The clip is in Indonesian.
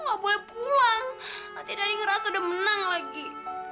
aku gak boleh pulang nanti dadi ngerasa udah menang lagi